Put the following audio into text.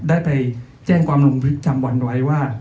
ได้ไปแจ้งความลงบันทึกจำวันไว้ว่า